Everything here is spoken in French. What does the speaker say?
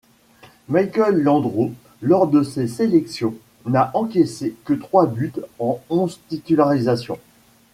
Mickaël Landreau, lors de ses sélections, n'a encaissé que trois buts en onze titularisations.